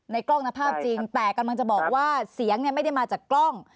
กล้องนะภาพจริงแต่กำลังจะบอกว่าเสียงไม่ได้มาจากกล้อง